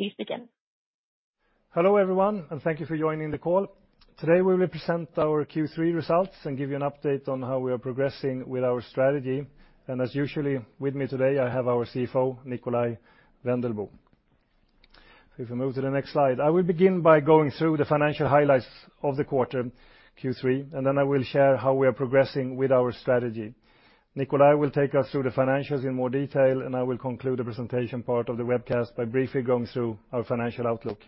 Please begin. Hello, everyone, and thank you for joining the call. Today, we will present our Q3 results and give you an update on how we are progressing with our strategy. As usual, with me today, I have our CFO, Nikolaj Wendelboe. If we move to the next slide. I will begin by going through the financial highlights of the quarter, Q3, and then I will share how we are progressing with our strategy. Nikolaj will take us through the financials in more detail, and I will conclude the presentation part of the webcast by briefly going through our financial outlook.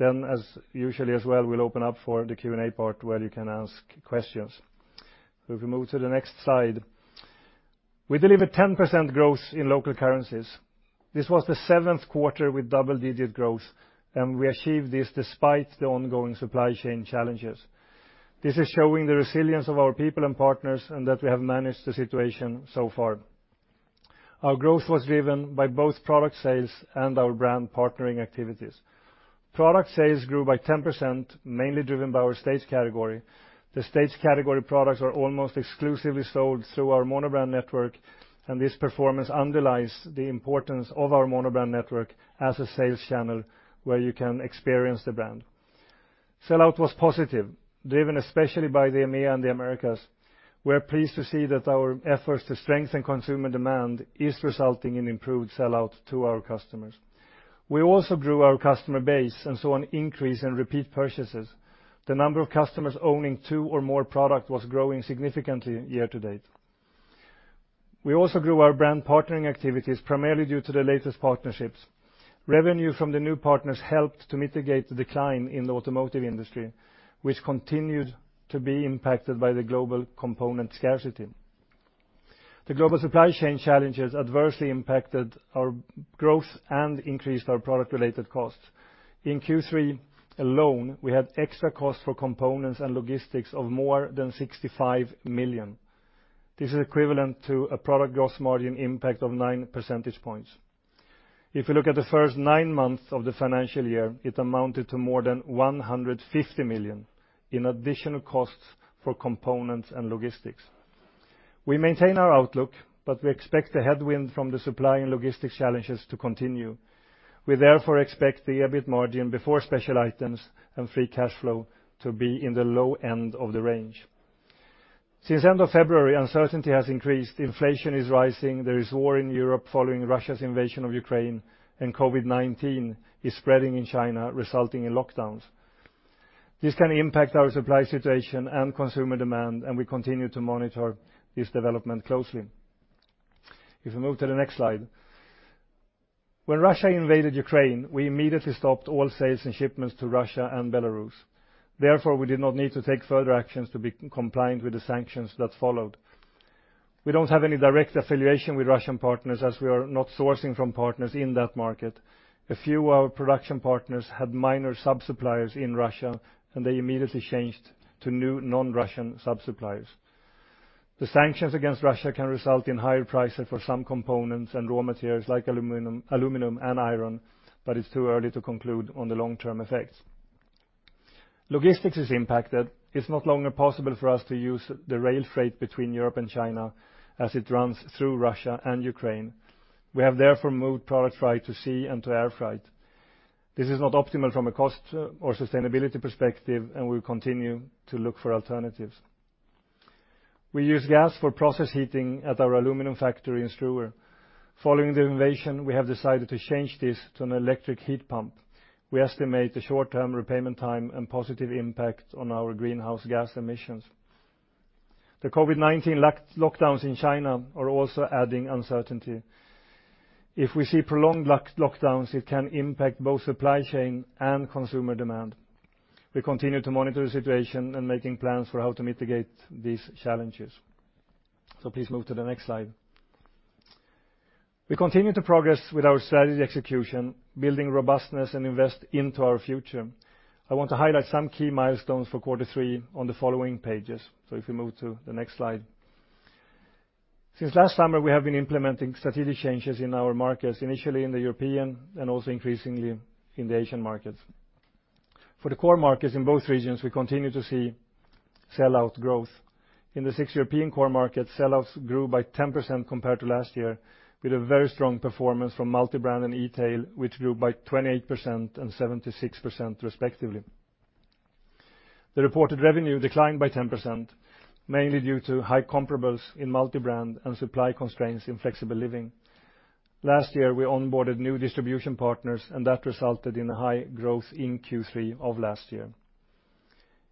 As usual as well, we'll open up for the Q&A part where you can ask questions. If we move to the next slide. We delivered 10% growth in local currencies. This was the seventh quarter with double-digit growth, and we achieved this despite the ongoing supply chain challenges. This is showing the resilience of our people and partners and that we have managed the situation so far. Our growth was driven by both product sales and our brand partnering activities. Product sales grew by 10%, mainly driven by our Staged category. The Staged category products are almost exclusively sold through our monobrand network, and this performance underlies the importance of our monobrand network as a sales channel where you can experience the brand. Sell-out was positive, driven especially by the MEA and the Americas. We're pleased to see that our efforts to strengthen consumer demand is resulting in improved sell-out to our customers. We also grew our customer base and saw an increase in repeat purchases. The number of customers owning two or more product was growing significantly year to date. We also grew our brand partnering activities primarily due to the latest partnerships. Revenue from the new partners helped to mitigate the decline in the automotive industry, which continued to be impacted by the global component scarcity. The global supply chain challenges adversely impacted our growth and increased our product-related costs. In Q3 alone, we had extra costs for components and logistics of more than 65 million. This is equivalent to a product gross margin impact of 9 percentage points. If you look at the first nine months of the financial year, it amounted to more than 150 million in additional costs for components and logistics. We maintain our outlook, but we expect the headwind from the supply and logistics challenges to continue. We therefore expect the EBIT margin before special items and free cash flow to be in the low end of the range. Since end of February, uncertainty has increased, inflation is rising, there is war in Europe following Russia's invasion of Ukraine, and COVID-19 is spreading in China, resulting in lockdowns. This can impact our supply situation and consumer demand, and we continue to monitor this development closely. If we move to the next slide. When Russia invaded Ukraine, we immediately stopped all sales and shipments to Russia and Belarus. Therefore, we did not need to take further actions to be compliant with the sanctions that followed. We don't have any direct affiliation with Russian partners as we are not sourcing from partners in that market. A few of our production partners had minor sub-suppliers in Russia, and they immediately changed to new non-Russian sub-suppliers. The sanctions against Russia can result in higher prices for some components and raw materials like aluminum and iron, but it's too early to conclude on the long-term effects. Logistics is impacted. It's no longer possible for us to use the rail freight between Europe and China as it runs through Russia and Ukraine. We have therefore moved product freight to sea and to air freight. This is not optimal from a cost or sustainability perspective, and we continue to look for alternatives. We use gas for process heating at our aluminum factory in Struer. Following the invasion, we have decided to change this to an electric heat pump. We estimate the short-term repayment time and positive impact on our greenhouse gas emissions. The COVID-19 lockdowns in China are also adding uncertainty. If we see prolonged lockdowns, it can impact both supply chain and consumer demand. We continue to monitor the situation and making plans for how to mitigate these challenges. Please move to the next slide. We continue to progress with our strategy execution, building robustness and invest into our future. I want to highlight some key milestones for quarter three on the following pages. If we move to the next slide. Since last summer, we have been implementing strategic changes in our markets, initially in the European and also increasingly in the Asian markets. For the core markets in both regions, we continue to see sell-out growth. In the six European core markets, sell-outs grew by 10% compared to last year with a very strong performance from multi-brand and e-tail, which grew by 28% and 76% respectively. The reported revenue declined by 10%, mainly due to high comparables in multi-brand and supply constraints in Flexible Living. Last year, we onboarded new distribution partners, and that resulted in high growth in Q3 of last year.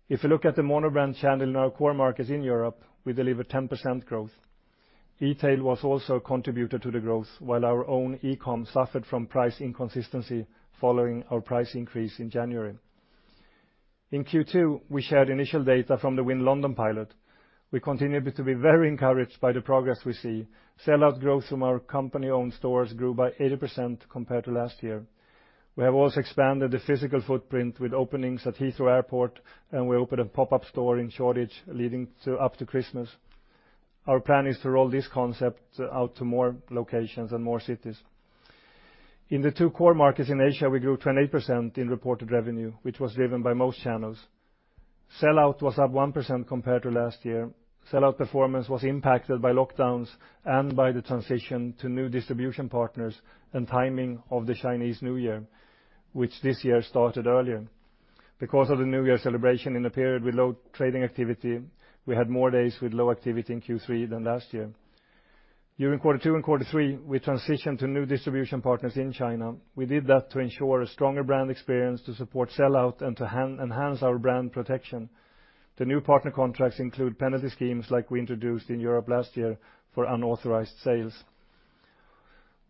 If you look at the monobrand channel in our core markets in Europe, we delivered 10% growth. E-tail was also a contributor to the growth while our own e-com suffered from price inconsistency following our price increase in January. In Q2, we shared initial data from the Win London pilot. We continue to be very encouraged by the progress we see. Sell-out growth from our company-owned stores grew by 80% compared to last year. We have also expanded the physical footprint with openings at Heathrow Airport, and we opened a pop-up store in Shoreditch leading up to Christmas. Our plan is to roll this concept out to more locations and more cities. In the two core markets in Asia, we grew 28% in reported revenue, which was driven by most channels. Sell-out was up 1% compared to last year. Sell-out performance was impacted by lockdowns and by the transition to new distribution partners and timing of the Chinese New Year, which this year started earlier. Because of the New Year celebration in the period with low trading activity, we had more days with low activity in Q3 than last year. During quarter two and quarter three, we transitioned to new distribution partners in China. We did that to ensure a stronger brand experience, to support sell-out, and to enhance our brand protection. The new partner contracts include penalty schemes like we introduced in Europe last year for unauthorized sales.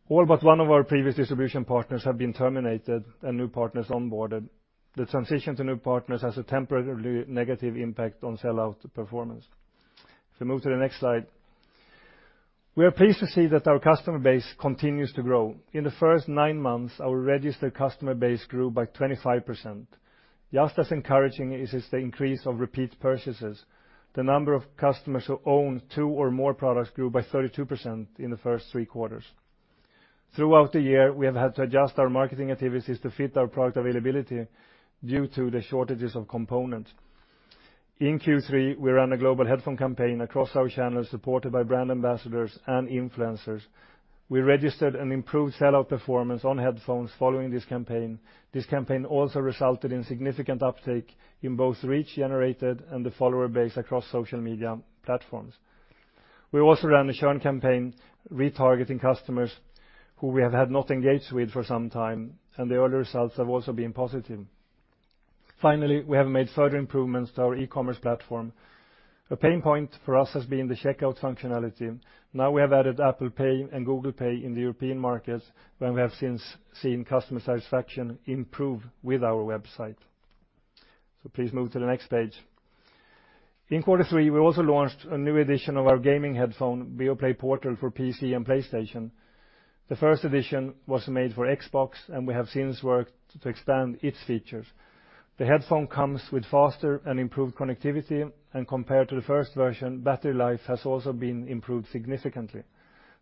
All but one of our previous distribution partners have been terminated and new partners onboarded. The transition to new partners has a temporarily negative impact on sell-out performance. If we move to the next slide. We are pleased to see that our customer base continues to grow. In the first nine months, our registered customer base grew by 25%. Just as encouraging is the increase of repeat purchases. The number of customers who own two or more products grew by 32% in the first three quarters. Throughout the year, we have had to adjust our marketing activities to fit our product availability due to the shortages of components. In Q3, we ran a global headphone campaign across our channels, supported by brand ambassadors and influencers. We registered an improved sell-out performance on headphones following this campaign. This campaign also resulted in significant uptake in both reach generated and the follower base across social media platforms. We also ran a churn campaign retargeting customers who we have not engaged with for some time, and the early results have also been positive. Finally, we have made further improvements to our e-commerce platform. A pain point for us has been the checkout functionality. Now we have added Apple Pay and Google Pay in the European markets, where we have since seen customer satisfaction improve with our website. Please move to the next page. In quarter three, we also launched a new edition of our gaming headphone, Beoplay Portal for PC and PlayStation. The first edition was made for Xbox, and we have since worked to expand its features. The headphone comes with faster and improved connectivity, and compared to the first version, battery life has also been improved significantly.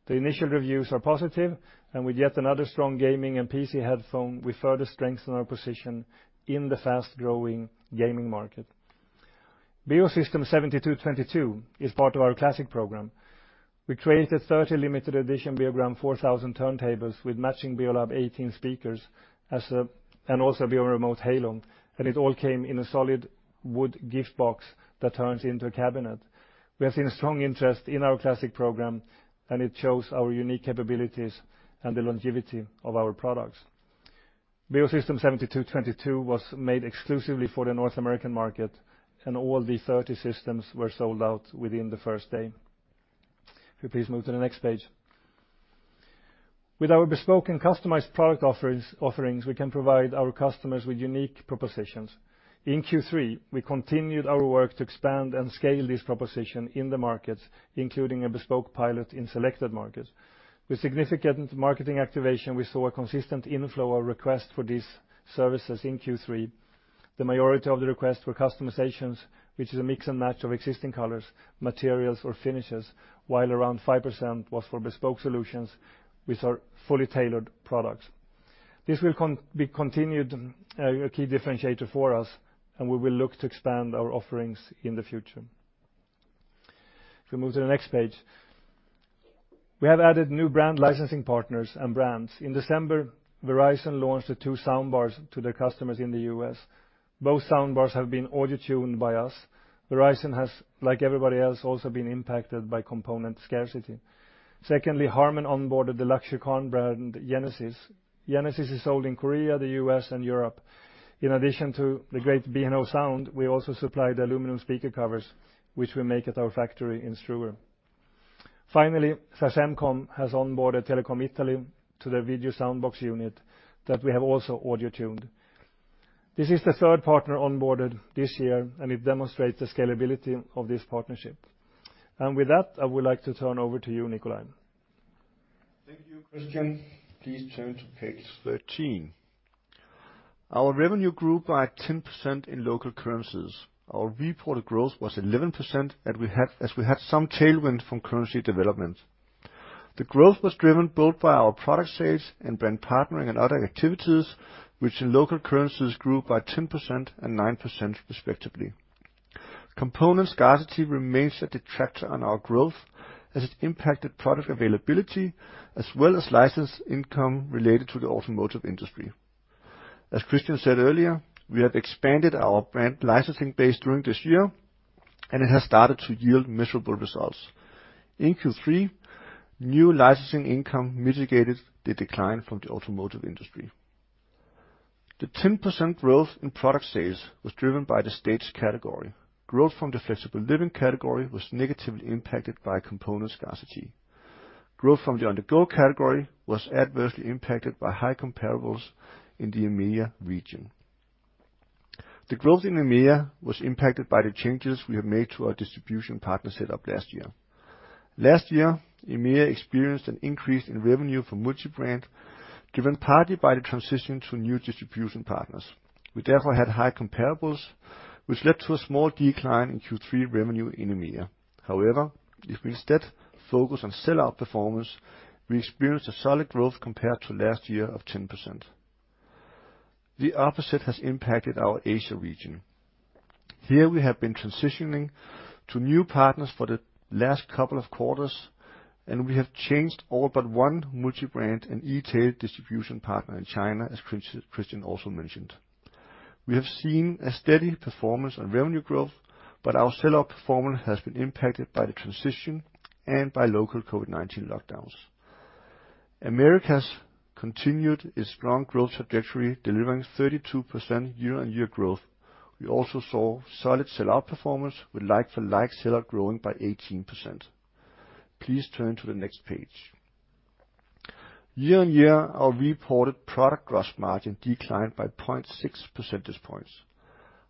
The initial reviews are positive, and with yet another strong gaming and PC headphone, we further strengthen our position in the fast-growing gaming market. Beosystem 72-22 is part of our classic program. We created 30 limited edition Beogram 4000 turntables with matching Beolab 18 speakers, also Beoremote Halo, and it all came in a solid wood gift box that turns into a cabinet. We have seen strong interest in our classic program, and it shows our unique capabilities and the longevity of our products. Beosystem 72-22 was made exclusively for the North American market, and all 30 systems were sold out within the first day. If we please move to the next page. With our bespoke and customized product offerings, we can provide our customers with unique propositions. In Q3, we continued our work to expand and scale this proposition in the markets, including a bespoke pilot in selected markets. With significant marketing activation, we saw a consistent inflow of requests for these services in Q3. The majority of the requests were customizations, which is a mix and match of existing colors, materials, or finishes, while around 5% was for bespoke solutions with our fully tailored products. This will be continued, a key differentiator for us, and we will look to expand our offerings in the future. If we move to the next page. We have added new brand licensing partners and brands. In December, Verizon launched the two soundbars to their customers in the U.S. Both soundbars have been audio tuned by us. Verizon has, like everybody else, also been impacted by component scarcity. Secondly, Harman onboarded the luxury car brand Genesis. Genesis is sold in Korea, the U.S., and Europe. In addition to the great B&O sound, we also supply the aluminum speaker covers, which we make at our factory in Struer. Finally, Sagemcom has onboarded Telecom Italia to their video sound box unit that we have also audio tuned. This is the third partner onboarded this year, and it demonstrates the scalability of this partnership. With that, I would like to turn over to you, Nikolaj. Thank you, Kristian. Please turn to page 13. Our revenue grew by 10% in local currencies. Our reported growth was 11% as we had some tailwind from currency development. The growth was driven both by our product sales and brand partnering and other activities, which in local currencies grew by 10% and 9% respectively. Component scarcity remains a detractor on our growth as it impacted product availability, as well as license income related to the automotive industry. As Kristian said earlier, we have expanded our brand licensing base during this year, and it has started to yield measurable results. In Q3, new licensing income mitigated the decline from the automotive industry. The 10% growth in product sales was driven by the Staged category. Growth from the Flexible Living category was negatively impacted by component scarcity. Growth from the On-the-go category was adversely impacted by high comparables in the EMEA region. The growth in EMEA was impacted by the changes we have made to our distribution partner set up last year. Last year, EMEA experienced an increase in revenue for multi-brand, driven partly by the transition to new distribution partners. We therefore had high comparables, which led to a small decline in Q3 revenue in EMEA. However, if we instead focus on sell-out performance, we experienced a solid growth compared to last year of 10%. The opposite has impacted our Asia region. Here we have been transitioning to new partners for the last couple of quarters, and we have changed all but one multi-brand and e-tail distribution partner in China, as Kristian also mentioned. We have seen a steady performance on revenue growth, but our sellout performance has been impacted by the transition and by local COVID-19 lockdowns. Americas continued its strong growth trajectory, delivering 32% year-on-year growth. We also saw solid sell-out performance with like for like sellout growing by 18%. Please turn to the next page. Year-on-year, our reported product gross margin declined by 0.6 percentage points.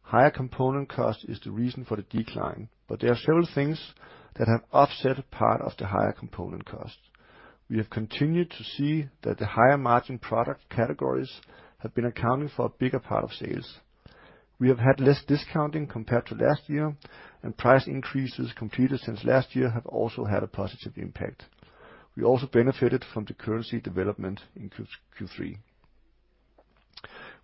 Higher component cost is the reason for the decline, but there are several things that have offset a part of the higher component cost. We have continued to see that the higher margin product categories have been accounting for a bigger part of sales. We have had less discounting compared to last year, and price increases completed since last year have also had a positive impact. We also benefited from the currency development in Q3.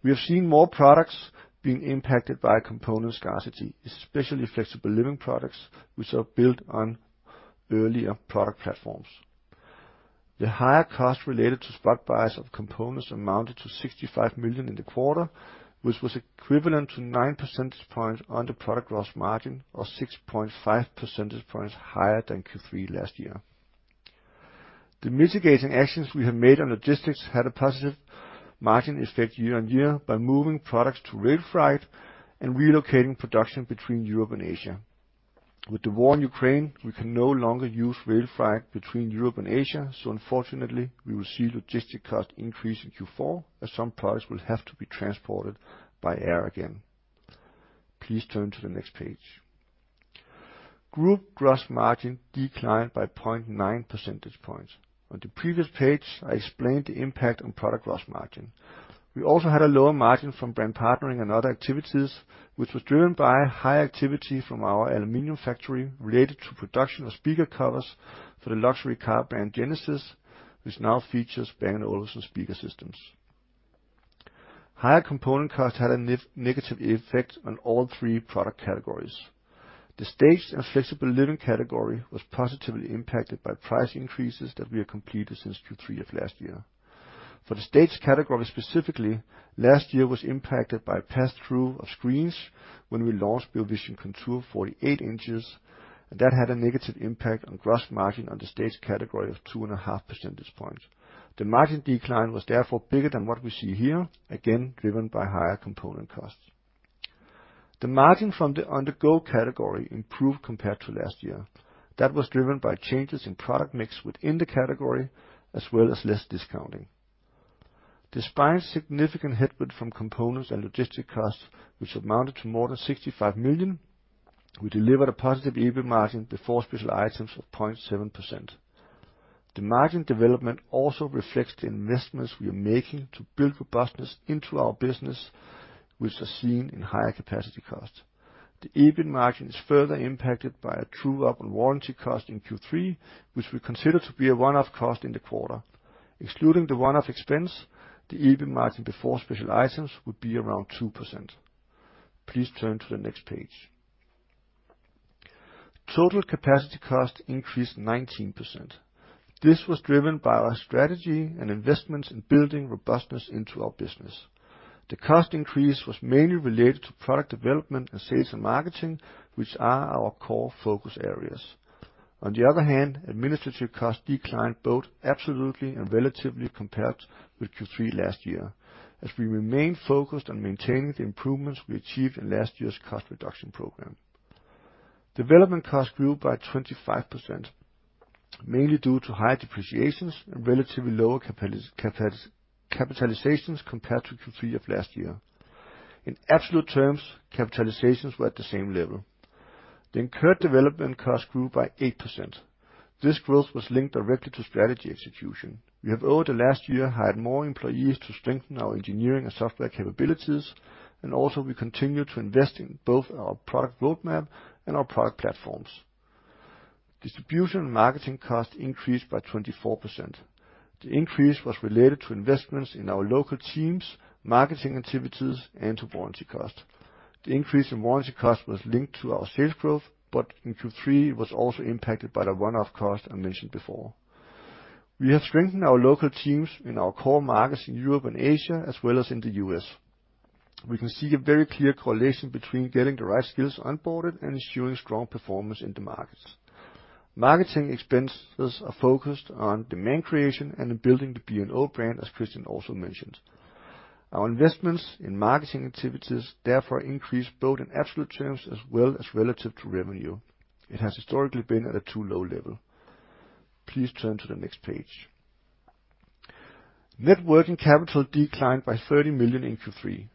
We have seen more products being impacted by component scarcity, especially Flexible Living products, which are built on earlier product platforms. The higher cost related to spot buyers of components amounted to 65 million in the quarter, which was equivalent to 9 percentage points on the product gross margin, or 6.5 percentage points higher than Q3 last year. The mitigating actions we have made on logistics had a positive margin effect year on year by moving products to rail freight and relocating production between Europe and Asia. With the war in Ukraine, we can no longer use rail freight between Europe and Asia, so unfortunately, we will see logistic cost increase in Q4 as some products will have to be transported by air again. Please turn to the next page. Group gross margin declined by 0.9 percentage points. On the previous page, I explained the impact on product gross margin. We also had a lower margin from brand partnering and other activities, which was driven by high activity from our aluminum factory related to production of speaker covers for the luxury car brand Genesis, which now features Bang & Olufsen speaker systems. Higher component cost had a negative effect on all three product categories. The Staged and Flexible Living category was positively impacted by price increases that we have completed since Q3 of last year. For the Staged category specifically, last year was impacted by pass-through of screens when we launched Beovision Contour 48 inches, and that had a negative impact on gross margin on the Staged category of 2.5 percentage points. The margin decline was therefore bigger than what we see here, again driven by higher component costs. The margin from the On-the-go category improved compared to last year. That was driven by changes in product mix within the category, as well as less discounting. Despite significant headwind from components and logistic costs, which amounted to more than 65 million, we delivered a positive EBIT margin before special items of 0.7%. The margin development also reflects the investments we are making to build robustness into our business, which are seen in higher capacity cost. The EBIT margin is further impacted by a true-up on warranty cost in Q3, which we consider to be a one-off cost in the quarter. Excluding the one-off expense, the EBIT margin before special items would be around 2%. Please turn to the next page. Total capacity cost increased 19%. This was driven by our strategy and investments in building robustness into our business. The cost increase was mainly related to product development and sales and marketing, which are our core focus areas. On the other hand, administrative costs declined both absolutely and relatively compared with Q3 last year, as we remain focused on maintaining the improvements we achieved in last year's cost reduction program. Development costs grew by 25%, mainly due to high depreciations and relatively lower capitalizations compared to Q3 of last year. In absolute terms, capitalizations were at the same level. The incurred development cost grew by 8%. This growth was linked directly to strategy execution. We have over the last year hired more employees to strengthen our engineering and software capabilities, and also we continue to invest in both our product roadmap and our product platforms. Distribution and marketing costs increased by 24%. The increase was related to investments in our local teams, marketing activities, and to warranty costs. The increase in warranty cost was linked to our sales growth, but in Q3, it was also impacted by the one-off cost I mentioned before. We have strengthened our local teams in our core markets in Europe and Asia, as well as in the U.S. We can see a very clear correlation between getting the right skills onboarded and ensuring strong performance in the markets. Marketing expenses are focused on demand creation and in building the B&O brand, as Kristian also mentioned. Our investments in marketing activities therefore increase both in absolute terms as well as relative to revenue. It has historically been at a too low level. Please turn to the next page. Net working capital declined by 30 million in Q3.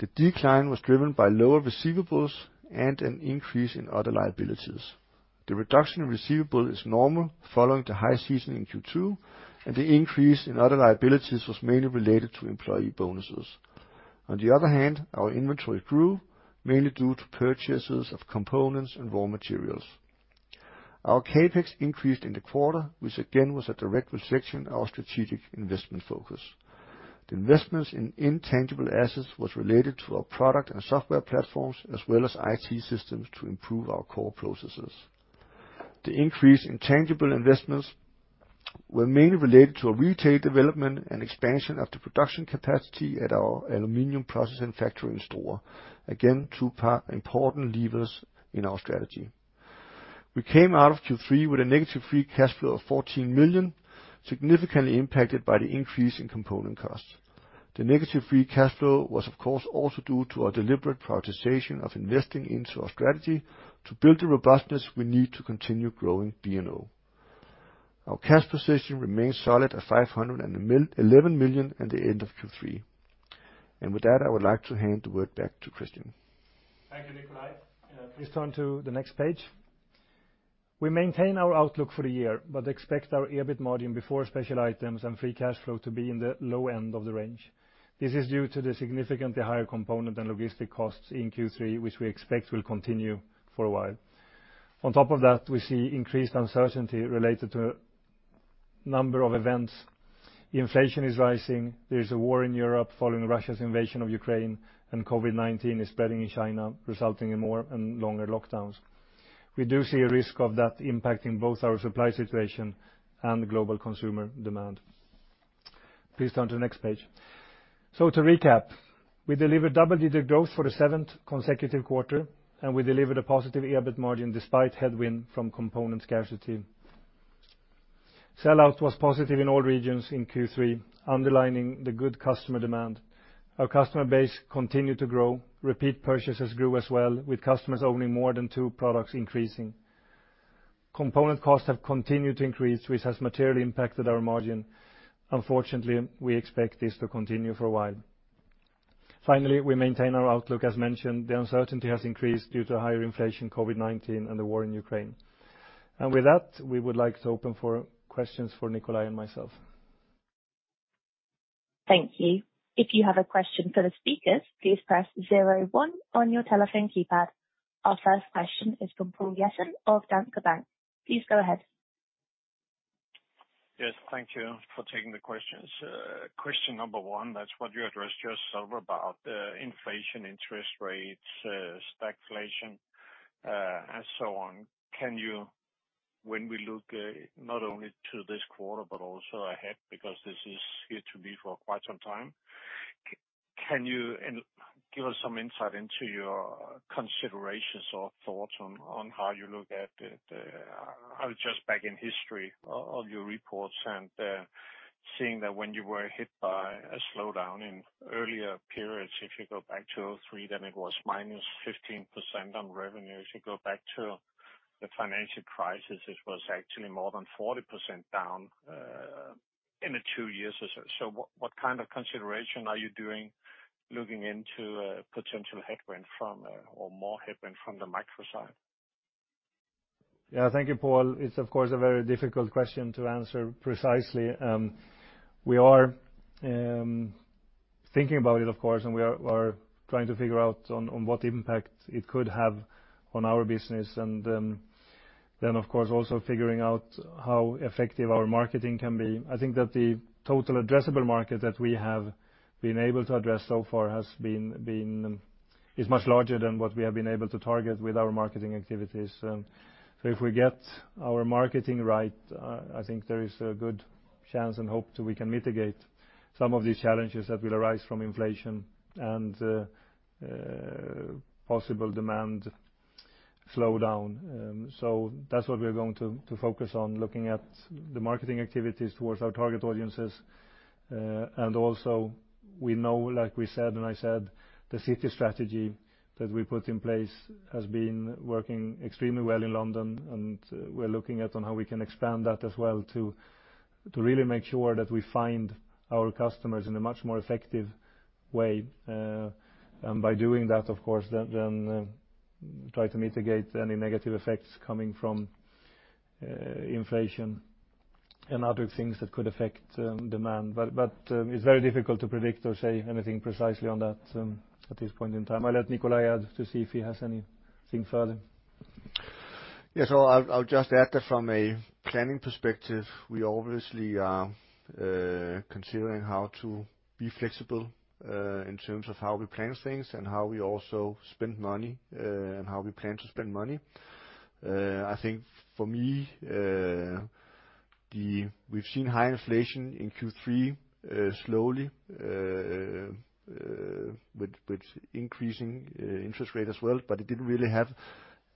The decline was driven by lower receivables and an increase in other liabilities. The reduction in receivables is normal following the high season in Q2, and the increase in other liabilities was mainly related to employee bonuses. Our inventory grew mainly due to purchases of components and raw materials. Our CapEx increased in the quarter, which again was a direct reflection of our strategic investment focus. The investments in intangible assets were related to our product and software platforms as well as IT systems to improve our core processes. The increased intangible investments were mainly related to a retail development and expansion of the production capacity at our aluminum processing factory in Struer. Important levers in our strategy. We came out of Q3 with a negative free cash flow of 14 million, significantly impacted by the increase in component costs. The negative free cash flow was of course also due to our deliberate prioritization of investing into our strategy to build the robustness we need to continue growing B&O. Our cash position remains solid at 511 million at the end of Q3. With that, I would like to hand the word back to Kristian. Thank you, Nikolaj. Please turn to the next page. We maintain our outlook for the year but expect our EBIT margin before special items and free cash flow to be in the low end of the range. This is due to the significantly higher component and logistic costs in Q3, which we expect will continue for a while. On top of that, we see increased uncertainty related to a number of events. Inflation is rising, there is a war in Europe following Russia's invasion of Ukraine, and COVID-19 is spreading in China, resulting in more and longer lockdowns. We do see a risk of that impacting both our supply situation and global consumer demand. Please turn to the next page. To recap, we delivered double-digit growth for the seventh consecutive quarter, and we delivered a positive EBIT margin despite headwind from component scarcity. Sellout was positive in all regions in Q3, underlining the good customer demand. Our customer base continued to grow. Repeat purchases grew as well, with customers owning more than two products increasing. Component costs have continued to increase, which has materially impacted our margin. Unfortunately, we expect this to continue for a while. Finally, we maintain our outlook. As mentioned, the uncertainty has increased due to higher inflation, COVID-19, and the war in Ukraine. With that, we would like to open for questions for Nikolaj and myself. Thank you. If you have a question for the speakers, please press zero one on your telephone keypad. Our first question is from Poul Jessen of Danske Bank. Please go ahead. Yes, thank you for taking the questions. Question number one, that's what you addressed yourself about, inflation, interest rates, stagflation, and so on. Can you, when we look not only to this quarter but also ahead, because this is here to be for quite some time, can you give us some insight into your considerations or thoughts on how you look at the, I was just looking back in the history of your reports and seeing that when you were hit by a slowdown in earlier periods, if you go back to 2003, then it was -15% on revenue. If you go back to the financial crisis, it was actually more than 40% down in the two years or so. What kind of consideration are you doing looking into potential headwind from or more headwind from the macro side? Yeah. Thank you, Poul. It's of course a very difficult question to answer precisely. We are thinking about it, of course, and we are trying to figure out on what impact it could have on our business and then of course also figuring out how effective our marketing can be. I think that the total addressable market that we have been able to address so far is much larger than what we have been able to target with our marketing activities. So, if we get our marketing right, I think there is a good chance and hope that we can mitigate some of these challenges that will arise from inflation and possible demand slowdown. That's what we are going to focus on, looking at the marketing activities towards our target audiences. We know, like we said, and I said, the city strategy that we put in place has been working extremely well in London, and we're looking into how we can expand that as well to really make sure that we find our customers in a much more effective way. By doing that, of course, then try to mitigate any negative effects coming from inflation and other things that could affect demand. It's very difficult to predict or say anything precisely on that at this point in time. I'll let Nikolaj add to see if he has anything further. I'll just add that from a planning perspective, we obviously are considering how to be flexible in terms of how we plan things and how we also spend money and how we plan to spend money. I think for me, we've seen high inflation in Q3 slowly with increasing interest rate as well, but it didn't really have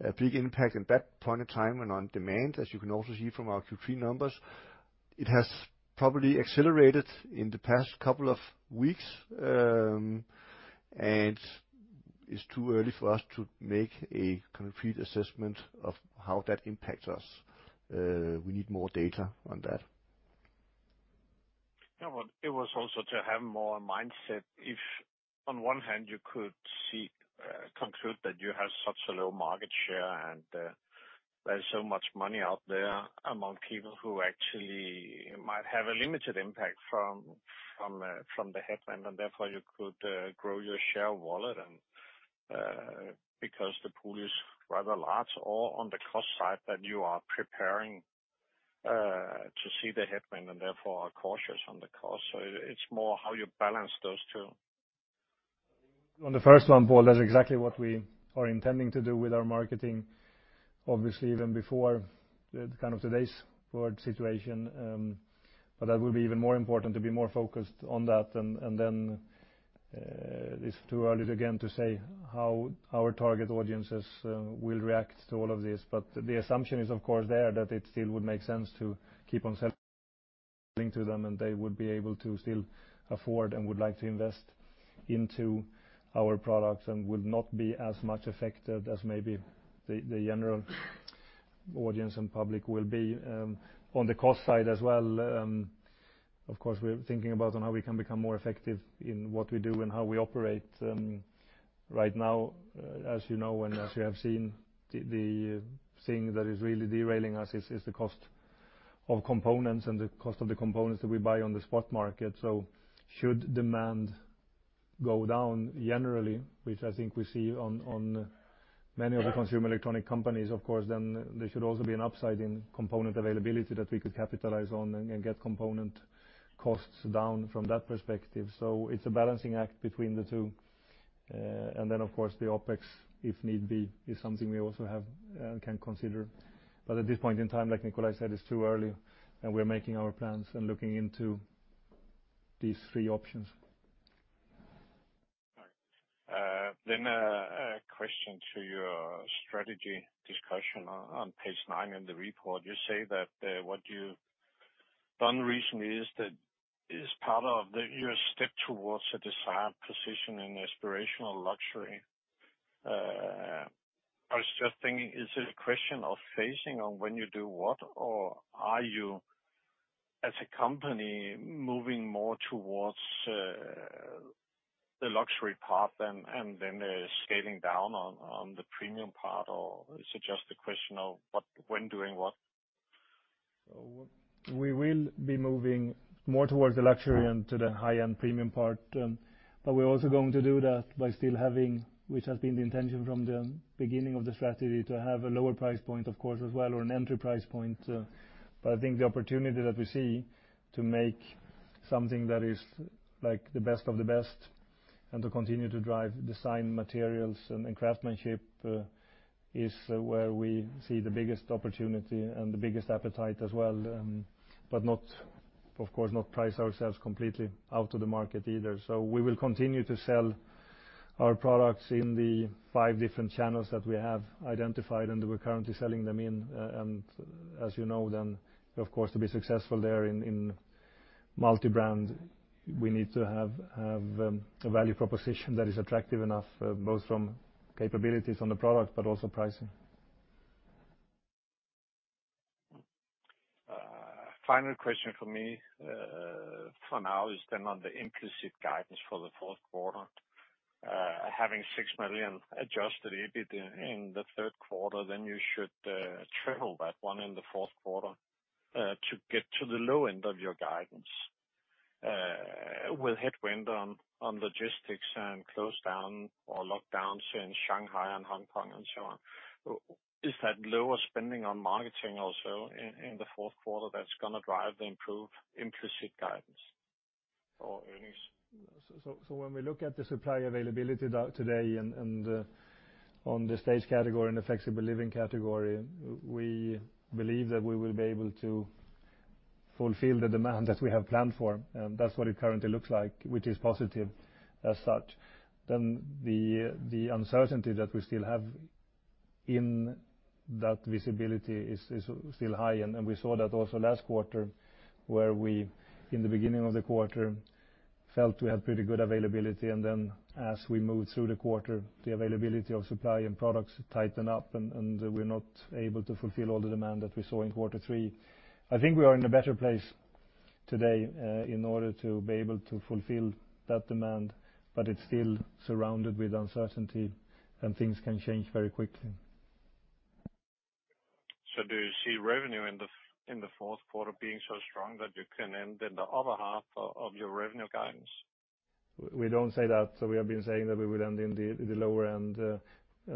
a big impact at that point in time and on demand, as you can also see from our Q3 numbers. It has probably accelerated in the past couple of weeks, and it's too early for us to make a complete assessment of how that impacts us. We need more data on that. Well, it was also to have more mindset if on one hand you could see, conclude that you have such a low market share and, there's so much money out there among people who actually might have a limited impact from the headwind, and therefore you could grow your share wallet and because the pool is rather large or on the cost side that you are preparing to see the headwind and therefore are cautious on the cost. It's more how you balance those two. On the first one, Poul, that's exactly what we are intending to do with our marketing, obviously even before the kind of today's world situation. That will be even more important to be more focused on that and then it's too early again to say how our target audiences will react to all of this. The assumption is of course there that it still would make sense to keep on selling to them, and they would be able to still afford and would like to invest into our products and would not be as much affected as maybe the general audience and public will be. On the cost side as well, of course, we're thinking about on how we can become more effective in what we do and how we operate. Right now, as you know, and as you have seen, the thing that is really derailing us is the cost of components and the cost of the components that we buy on the spot market. Should demand go down generally, which I think we see on many of the consumer electronics companies, of course, then there should also be an upside in component availability that we could capitalize on and get component costs down from that perspective. It's a balancing act between the two. Then of course, the OpEx, if need be, is something we also can consider. At this point in time, like Nikolaj said, it's too early, and we're making our plans and looking into these three options. All right. Then a question to your strategy discussion on page nine in the report. You say that what you've done recently is part of your step towards a desired position in aspirational luxury. I was just thinking, is it a question of phasing on when you do what? Or are you as a company moving more towards the luxury path and then scaling down on the premium part, or is it just a question of what, when doing what? We will be moving more towards the luxury and to the high-end premium part. We're also going to do that by still having, which has been the intention from the beginning of the strategy, to have a lower price point of course as well, or an entry price point. I think the opportunity that we see to make something that is like the best of the best and to continue to drive design materials and craftsmanship is where we see the biggest opportunity and the biggest appetite as well. Of course, we will not price ourselves completely out of the market either. We will continue to sell our products in the five different channels that we have identified and that we're currently selling them in. As you know then, of course, to be successful there in multi-brand, we need to have a value proposition that is attractive enough, both from capabilities on the product but also pricing. Final question from me, for now is then on the implicit guidance for the fourth quarter. Having 6 million Adjusted EBIT in the third quarter, then you should triple that one in the fourth quarter to get to the low end of your guidance. With headwind on logistics and closed down or lockdowns in Shanghai and Hong Kong and so on, is that lower spending on marketing also in the fourth quarter that's gonna drive the improved implicit guidance for earnings? When we look at the supply availability that's today and on the Staged category and the Flexible Living category, we believe that we will be able to fulfill the demand that we have planned for. That's what it currently looks like, which is positive as such. The uncertainty that we still have in that visibility is still high. We saw that also last quarter, where we in the beginning of the quarter felt we had pretty good availability, and then as we moved through the quarter, the availability of supply and products tighten up, and we're not able to fulfill all the demand that we saw in quarter three. I think we are in a better place today, in order to be able to fulfill that demand, but it's still surrounded with uncertainty, and things can change very quickly. Do you see revenue in the fourth quarter being so strong that you can end in the other half of your revenue guidance? We don't say that. We have been saying that we will end in the lower end.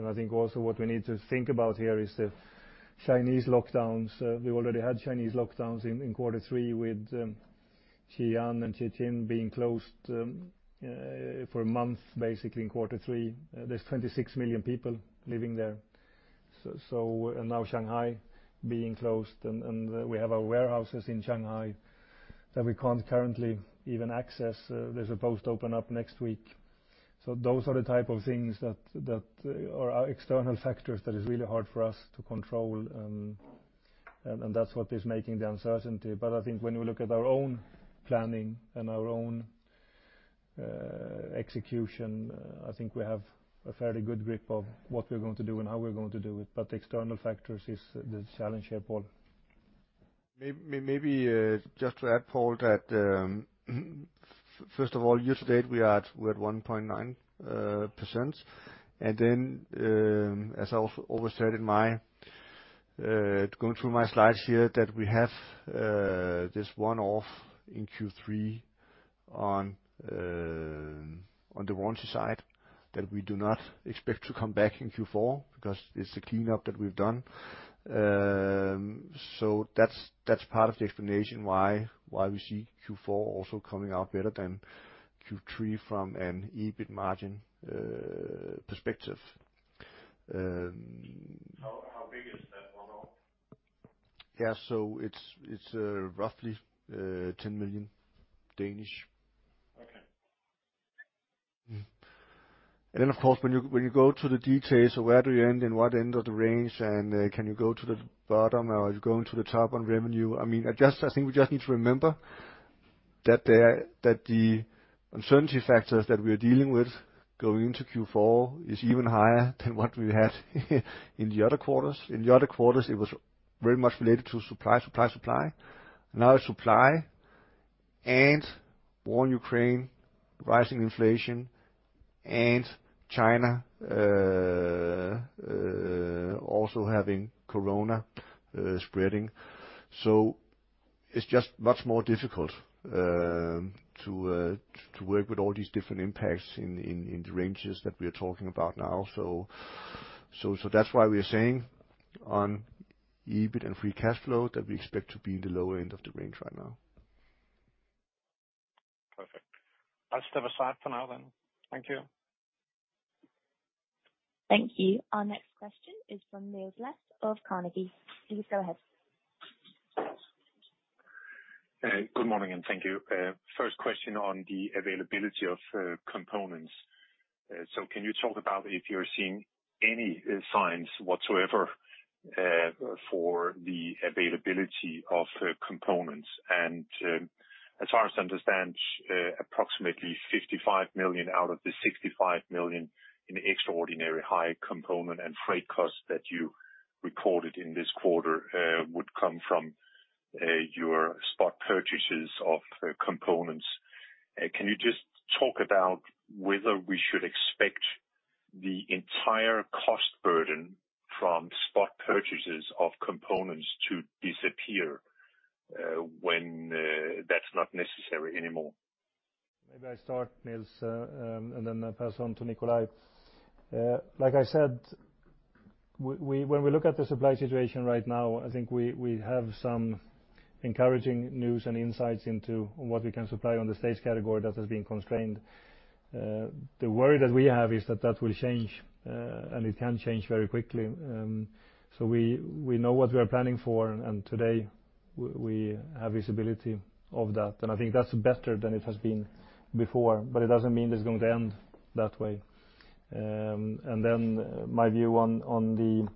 I think also what we need to think about here is the Chinese lockdowns. We already had Chinese lockdowns in quarter three with Xi'an and Shenzhen being closed for a month, basically in quarter three. There's 26 million people living there. And now Shanghai being closed, and we have our warehouses in Shanghai that we can't currently even access. They're supposed to open up next week. Those are the type of things that are external factors that is really hard for us to control. That's what is making the uncertainty. I think when we look at our own planning and our own execution, I think we have a fairly good grip of what we're going to do and how we're going to do it. External factors is the challenge here, Poul. Maybe just to add, Poul, that first of all, year to date, we are at 1.9%. Then, as I always said, going through my slides here, that we have this one-off in Q3 on the warranty side that we do not expect to come back in Q4 because it's a cleanup that we've done. That's part of the explanation why we see Q4 also coming out better than Q3 from an EBIT margin perspective. How big is that one-off? Yeah. It's roughly DKK 10 million. Okay. Of course, when you go to the details of where do you end and what end of the range, and can you go to the bottom or are you going to the top on revenue? I mean, I think we just need to remember that the uncertainty factors that we are dealing with going into Q4 is even higher than what we had in the other quarters. In the other quarters, it was very much related to supply. Now supply and war in Ukraine, rising inflation and China also having COVID-19 spreading. It's just much more difficult to work with all these different impacts in the ranges that we are talking about now. That's why we are saying on EBIT and free cash flow that we expect to be in the lower end of the range right now. Perfect. I'll step aside for now then. Thank you. Thank you. Our next question is from Niels Leth of Carnegie. Please go ahead. Good morning and thank you. First question on the availability of components. Can you talk about if you're seeing any signs whatsoever for the availability of components? As far as I understand, approximately 55 million out of the 65 million in extraordinarily high component and freight costs that you recorded in this quarter would come from your spot purchases of components. Can you just talk about whether we should expect the entire cost burden from spot purchases of components to disappear when that's not necessary anymore? Maybe I start, Niels, and then I pass on to Nikolaj. Like I said, when we look at the supply situation right now, I think we have some encouraging news and insights into what we can supply on the Staged category that has been constrained. The worry that we have is that that will change, and it can change very quickly. We know what we are planning for, and today we have visibility of that, and I think that's better than it has been before, but it doesn't mean it's going to end that way. Then my view on the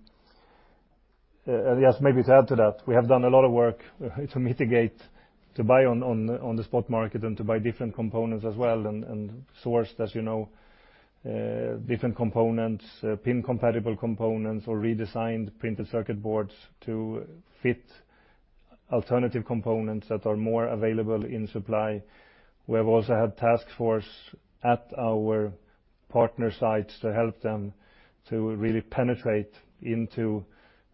Yes, maybe to add to that, we have done a lot of work to mitigate, to buy on the spot market and to buy different components as well and sourced, as you know, different components, pin compatible components or redesigned printed circuit boards to fit alternative components that are more available in supply. We have also had task force at our partner sites to help them to really penetrate into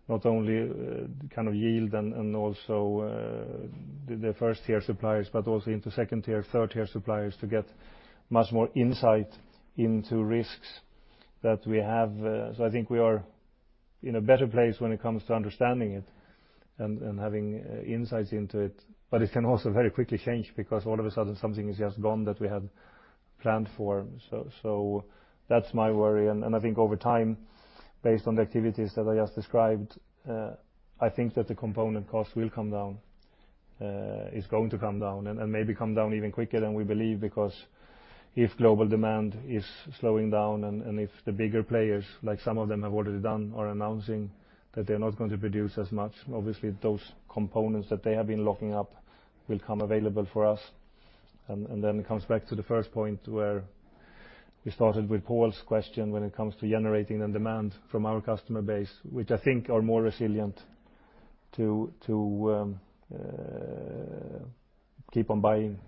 not only kind of yield and also the first-tier suppliers, but also into second-tier, third-tier suppliers to get much more insight into risks that we have. So, I think we are in a better place when it comes to understanding it and having insights into it. But it can also very quickly change because all of a sudden something is just gone that we had planned for. That's my worry. I think over time, based on the activities that I just described, I think that the component cost is going to come down and maybe come down even quicker than we believe, because if global demand is slowing down and if the bigger players, like some of them have already done, are announcing that they're not going to produce as much, obviously those components that they have been locking up will come available for us. Then it comes back to the first point where we started with Poul's question when it comes to generating the demand from our customer base, which I think are more resilient to keep on buying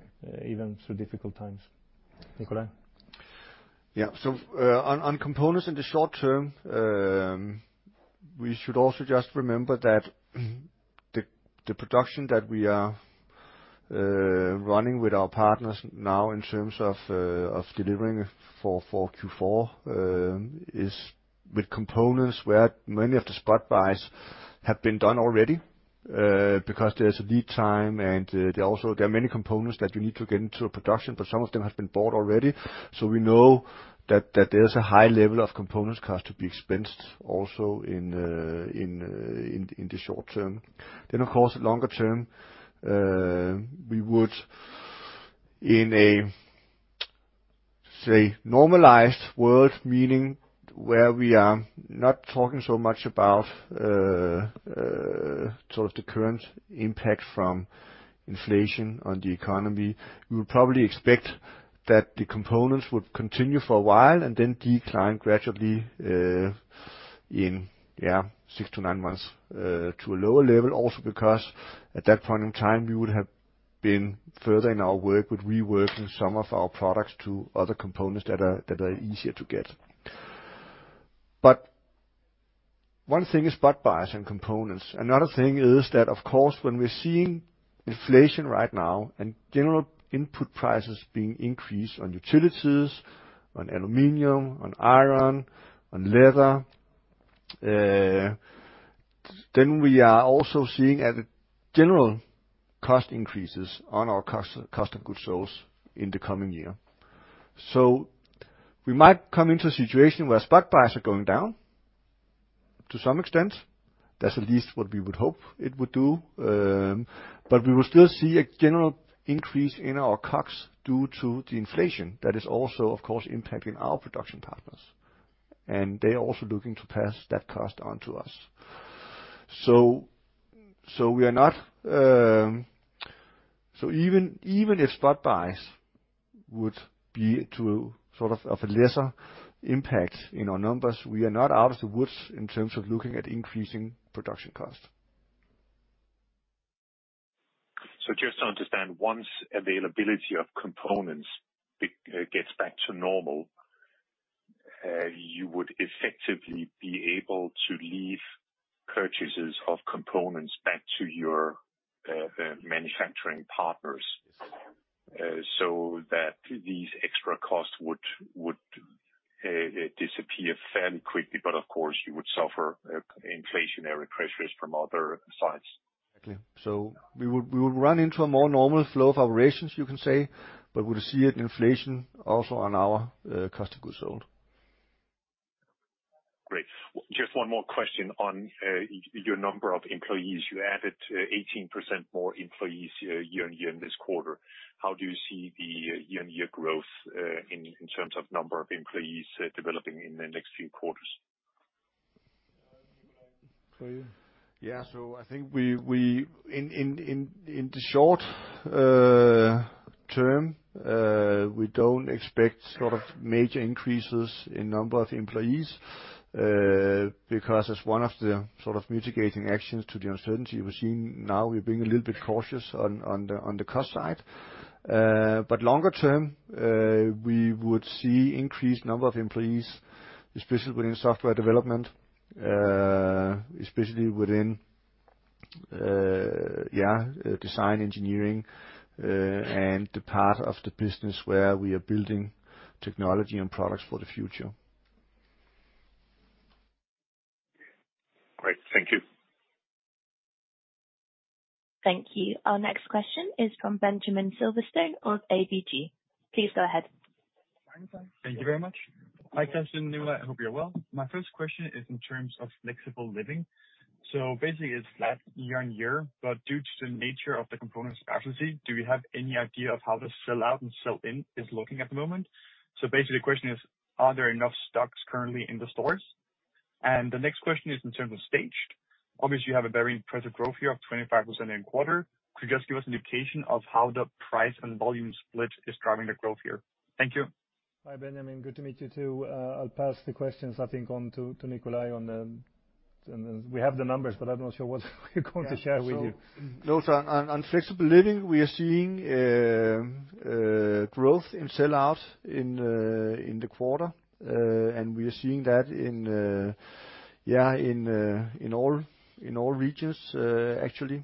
even through difficult times. Nikolaj. On components in the short term, we should also just remember that the production that we are running with our partners now in terms of delivering for Q4 is with components where many of the spot buys have been done already, because there's a lead time and there are also many components that you need to get into production, but some of them have been bought already. We know that there's a high level of components cost to be expensed also in the short term. Of course, longer term, we would in a, say, normalized world, meaning where we are not talking so much about, sort of the current impact from inflation on the economy, we would probably expect that the components would continue for a while and then decline gradually, in six to nine months, to a lower level. Also, because at that point in time we would have been further in our work with reworking some of our products to other components that are easier to get. But one thing is spot buys and components. Another thing is that, of course, when we're seeing inflation right now and general input prices being increased on utilities, on aluminum, on iron, on leather, then we are also seeing general cost increases in our cost of goods sold in the coming year. We might come into a situation where spot buys are going down to some extent. That's at least what we would hope it would do. We will still see a general increase in our COGS due to the inflation that is also, of course, impacting our production partners, and they're also looking to pass that cost on to us. Even if spot buys would be to sort of a lesser impact in our numbers, we are not out of the woods in terms of looking at increasing production costs. Just to understand, once availability of components gets back to normal, you would effectively be able to leave purchases of components back to your manufacturing partners, so that these extra costs would disappear fairly quickly. Of course you would suffer inflationary pressures from other sides. Exactly. We would run into a more normal flow of operations you can say, but we'll see an inflation also on our cost of goods sold. Great. Just one more question on your number of employees. You added 18% more employees year-on-year in this quarter. How do you see the year-on-year growth in terms of number of employees developing in the next few quarters? In the short term, we don't expect sort of major increases in number of employees because as one of the sorts of mitigating actions to the uncertainty we're seeing now, we're being a little bit cautious on the cost side. Longer term, we would see increased number of employees, especially within software development, especially within design engineering, and the part of the business where we are building technology and products for the future. Great. Thank you. Thank you. Our next question is from Benjamin Silverstone of ABG. Please go ahead. Thank you very much. Hi, Kristian and Nikolaj. I hope you're well. My first question is in terms of Flexible Living. Basically, it's flat year-over-year, but due to the nature of the components scarcity, do we have any idea of how the sell out and sell in is looking at the moment? Basically, the question is, are there enough stocks currently in the stores? The next question is in terms of Staged. Obviously, you have a very impressive growth here of 25% in quarter. Could you just give us an indication of how the price and volume split is driving the growth here? Thank you. Hi, Benjamin. Good to meet you, too. I'll pass the questions, I think, on to Nikolaj on the numbers, but I'm not sure what we're going to share with you. On Flexible Living, we are seeing growth in sell out in the quarter. We are seeing that in all regions, actually.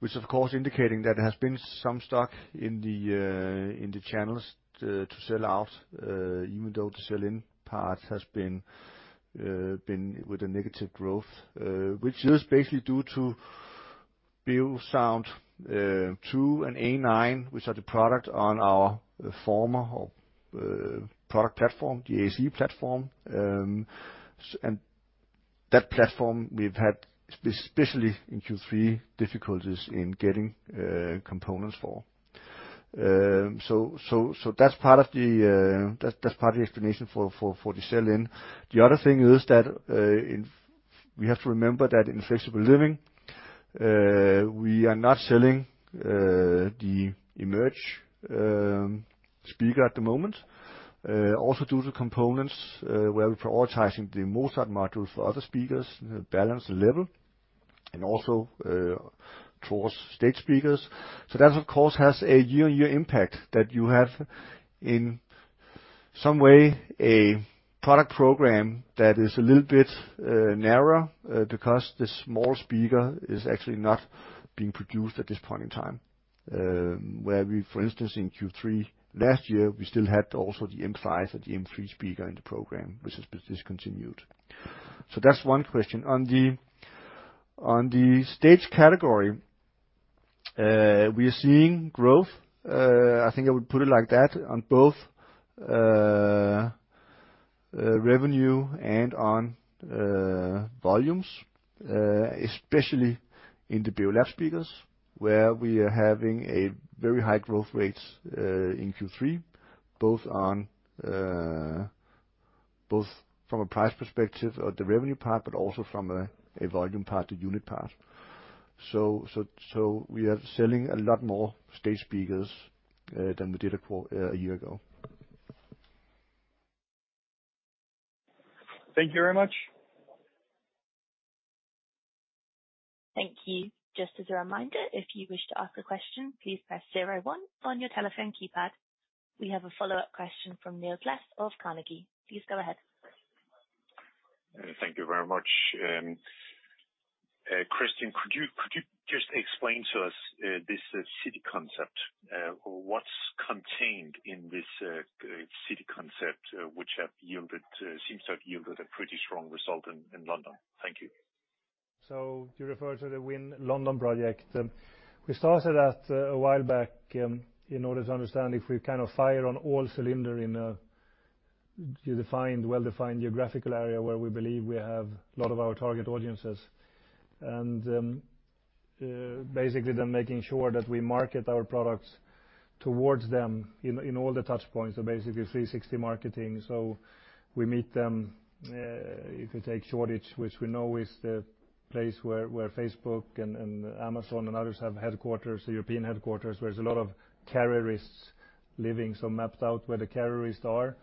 Which of course indicating that there has been some stock in the channels to sell out, even though the sell in part has been with a negative growth, which is basically due to Beosound 2 and Beoplay A9, which are the product on our former product platform, the AC platform. That platform we've had especially in Q3 difficulties in getting components for. So that's part of the explanation for the sell-in. The other thing is that we have to remember that in Flexible Living we are not selling the Beosound Emerge speaker at the moment, also due to components, where we're prioritizing the Mozart module for other speakers, Beolab and also towards Staged speakers. That of course has a year-on-year impact that you have in some way a product program that is a little bit narrower because the small speaker is actually not being produced at this point in time. Where we, for instance, in Q3 last year, we still had also the M5 or the M3 speaker in the program, which has been discontinued. That's one question. On the Staged category, we are seeing growth. I think I would put it like that, on both revenue and on volumes, especially in the Beolab speakers, where we are having very high growth rates in Q3, both from a price perspective of the revenue part, but also from a volume part to unit part. We are selling a lot more Staged speakers than we did a year ago. Thank you very much. Thank you. Just as a reminder, if you wish to ask a question, please press zero one on your telephone keypad. We have a follow-up question from Niels Leth of Carnegie. Please go ahead. Thank you very much. Kristian, could you just explain to us this city concept? What's contained in this city concept, which seems to have yielded a pretty strong result in London? Thank you. You refer to the Win London project. We started that a while back in order to understand if we kind of fire on all cylinders in a defined, well-defined geographical area where we believe we have a lot of our target audiences. Basically, then making sure that we market our products towards them in all the touch points. Basically 360 marketing. We meet them if you take Shoreditch, which we know is the place where Facebook and Amazon and others have headquarters, European headquarters, where there's a lot of careerists living, mapped out where the careerists are.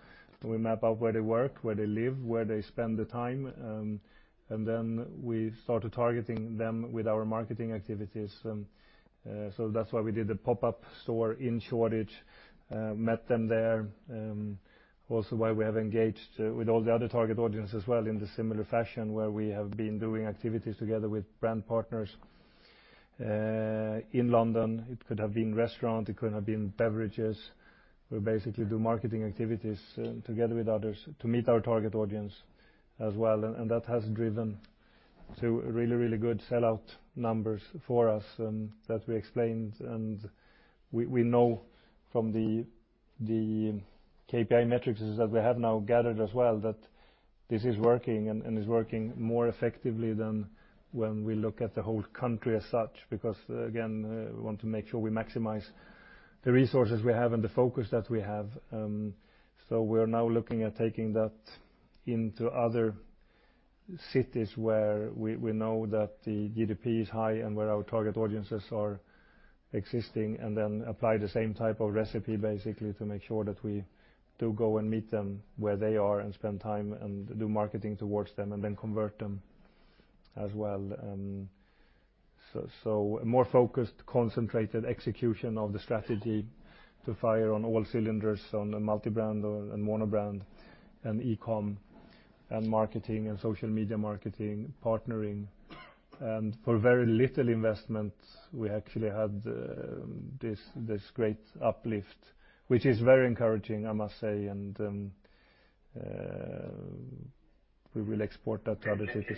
We map out where they work, where they live, where they spend the time, and then we started targeting them with our marketing activities. That's why we did the pop-up store in Shoreditch, met them there. Also, why we have engaged with all the other target audience as well in the similar fashion where we have been doing activities together with brand partners in London. It could have been restaurant, it could have been beverages. We basically do marketing activities together with others to meet our target audience as well. That has driven to really, really good sellout numbers for us that we explained. We know from the KPI metrics that we have now gathered as well that this is working and is working more effectively than when we look at the whole country as such. Because again, we want to make sure we maximize the resources we have and the focus that we have. We are now looking at taking that into other cities where we know that the GDP is high and where our target audiences are existing, and then apply the same type of recipe basically to make sure that we do go and meet them where they are and spend time and do marketing towards them and then convert them as well. A more focused, concentrated execution of the strategy to fire on all cylinders on a multi-brand and mono brand and e-com and marketing and social media marketing, partnering. For very little investment, we actually had this great uplift, which is very encouraging, I must say. We will export that to other cities.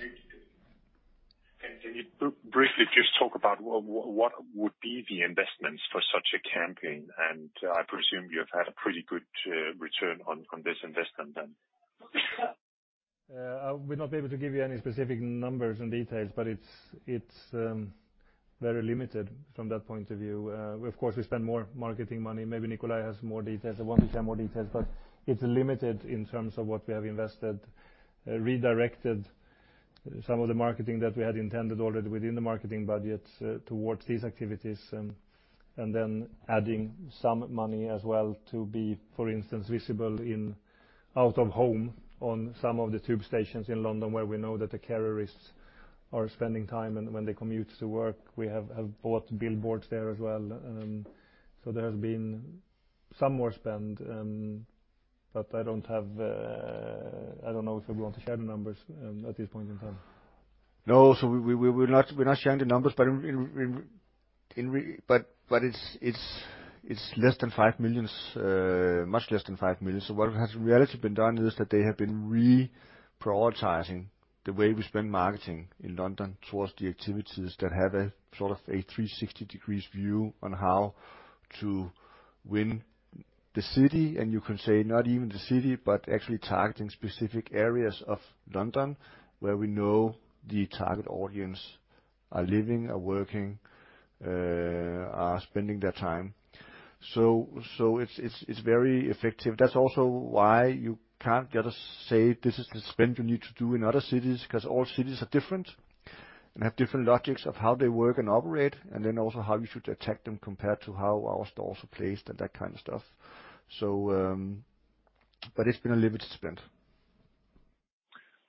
Can you briefly just talk about what would be the investments for such a campaign? I presume you have had a pretty good return on this investment then. I would not be able to give you any specific numbers and details, but it's very limited from that point of view. Of course, we spend more marketing money. Maybe Nikolaj has more details or wants to share more details, but it's limited in terms of what we have invested. Redirected some of the marketing that we had intended already within the marketing budget towards these activities, and then adding some money as well to be, for instance, visible in out of home on some of the tube stations in London, where we know that the commuters are spending time and when they commute to work. We have bought billboards there as well. So there has been some more spend, but I don't have the numbers. I don't know if you want to share them at this point in time. No. We're not sharing the numbers, but it's less than 5 million, much less than 5 million. What has in reality been done is that they have been reprioritizing the way we spend marketing in London towards the activities that have a sort of a 360-degree view on how to Win London. You can say not even the city, but actually targeting specific areas of London where we know the target audience are living or working, are spending their time. It's very effective. That's also why you can't just say this is the spend you need to do in other cities, 'cause all cities are different and have different logics of how they work and operate, and then also how you should attack them compared to how our stores are placed and that kind of stuff. It's been a limited spend.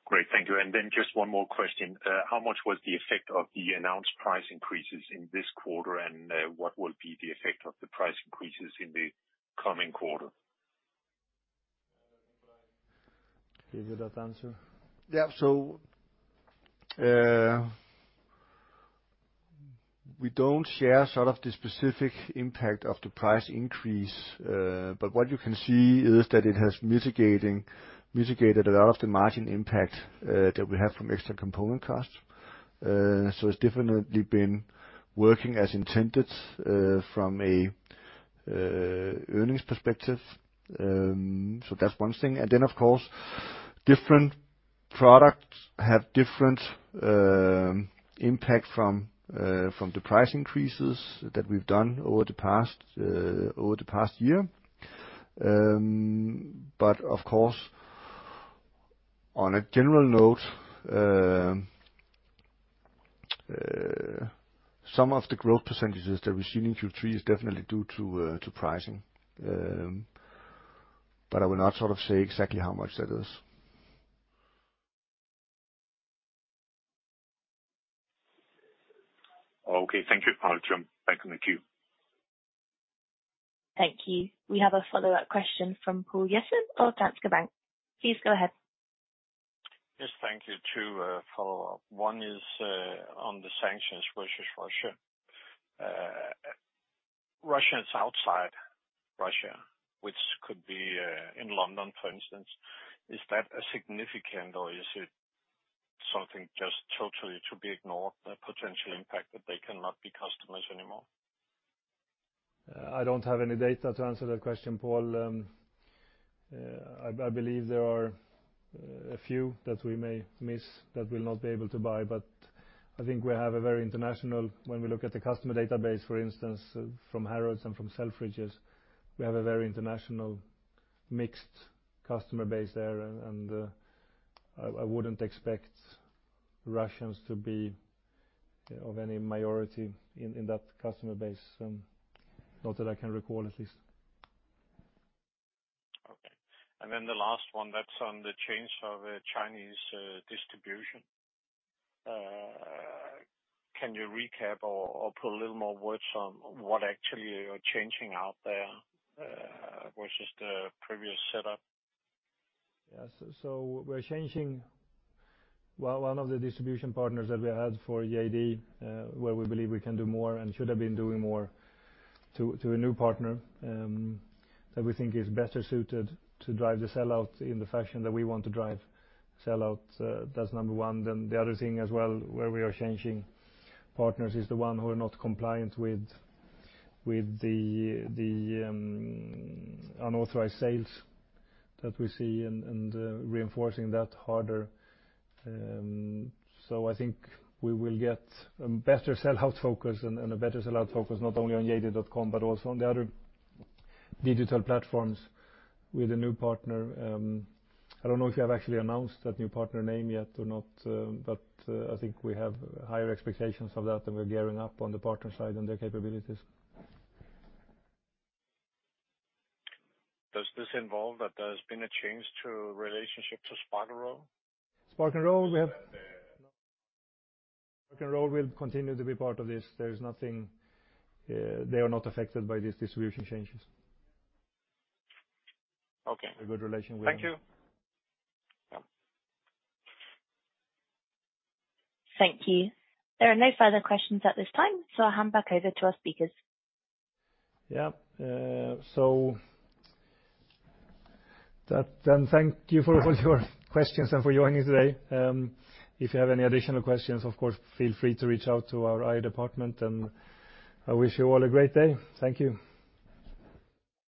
Great. Thank you. Just one more question. How much was the effect of the announced price increases in this quarter, and what will be the effect of the price increases in the coming quarter? Give you that answer. Yeah. We don't share sort of the specific impact of the price increase. But what you can see is that it has mitigated a lot of the margin impact that we have from extra component costs. It's definitely been working as intended from an earnings perspective. That's one thing. Of course, different products have different impact from the price increases that we've done over the past year. Of course, on a general note. Some of the growth percentages that we've seen in Q3 is definitely due to pricing. I will not sort of say exactly how much that is. Okay, thank you, Poul. I'll jump back on the queue. Thank you. We have a follow-up question from Poul Jessen of Danske Bank. Please go ahead. Yes, thank you. Two follow-ups. One is on the sanctions versus Russia. Russians outside Russia, which could be in London, for instance. Is that significant or is it something just totally to be ignored, the potential impact that they cannot be customers anymore? I don't have any data to answer that question, Poul. I believe there are a few that we may miss that will not be able to buy, but I think we have a very international customer base. When we look at the customer database, for instance, from Harrods and from Selfridges, we have a very international mixed customer base there and I wouldn't expect Russians to be of any minority in that customer base. Not that I can recall at least. Okay. The last one, that's on the change of Chinese distribution. Can you recap or put a little more words on what actually you're changing out there versus the previous setup? Yes. We're changing, well, one of the distribution partners that we had for JD.com, where we believe we can do more and should have been doing more to a new partner, that we think is better suited to drive the sell-out in the fashion that we want to drive sell-out. That's number one. The other thing as well, where we are changing partners is the one who are not compliant with the unauthorized sales that we see and reinforcing that harder. I think we will get a better sell-out focus and a better sell-out focus not only on JD.com but also on the other digital platforms with a new partner. I don't know if you have actually announced that new partner name yet or not, but I think we have higher expectations of that and we're gearing up on the partner side and their capabilities. Does this involve that there's been a change to relationship to Sparkle Roll? Sparkle Roll will continue to be part of this. There is nothing. They are not affected by these distribution changes. Okay. A good relationship with them. Thank you. Thank you. There are no further questions at this time, so I'll hand back over to our speakers. Thank you for your questions and for joining today. If you have any additional questions, of course, feel free to reach out to our IR department, and I wish you all a great day. Thank you.